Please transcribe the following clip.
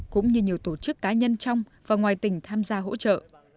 cũng như nhiều tổ chức cá nhân trong và ngoài tỉnh tham gia hỗ trợ